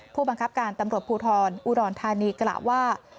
ผู้บังคับการตำรวจภูทรอุดรธานีกล่าวว่า